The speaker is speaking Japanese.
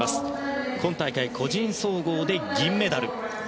今大会、個人総合で銀メダル。